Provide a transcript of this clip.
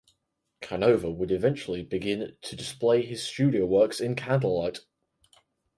Canova would eventually begin to display his studio works in candlelight.